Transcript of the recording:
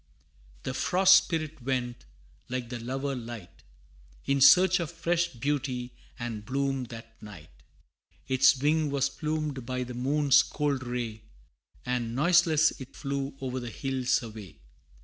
The Frost Spirit went, like the lover light, In search of fresh beauty and bloom that night Its wing was plumed by the moon's cold ray, And noiseless it flew o'er the hills away.